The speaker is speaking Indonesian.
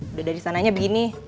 udah dari sananya begini